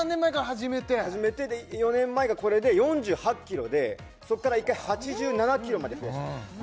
始めてで４年前がこれで４８ｋｇでそこから１回８７ｋｇまで増やしたんです